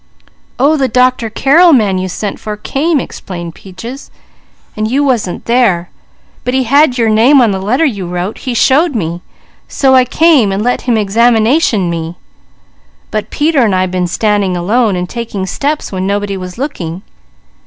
"Oh the Doctor Carrel man you sent for, came," explained Peaches, "and you wasn't there, but he had your name on the letter you wrote; he showed me, so I came and let him examination me; but Peter and I been standing alone, and taking steps when nobody was looking.